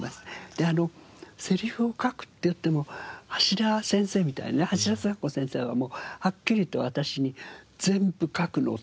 であのセリフを書くっていっても橋田先生みたいな橋田壽賀子先生はもうハッキリと私に「全部書くの」っておっしゃって。